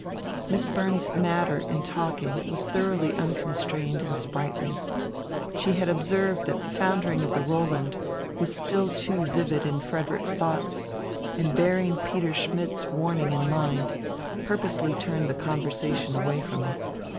Miss Burns's manner in talking was thoroughly unconstrained and sprightly. She had observed that the foundering of the Roland was still too vivid in Frederick's thoughts, and bearing Peter Schmidt's warning in mind, purposely turned the conversation away from it.